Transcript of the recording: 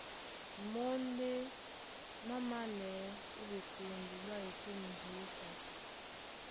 Mɔ́ ndé má mālɛɛ́ ó ɓekombo ɓá etûm jǐta.